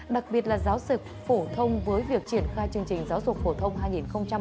đặc biệt là giáo dục phổ thông với việc triển khai chương trình giáo dục phổ thông hai nghìn một mươi tám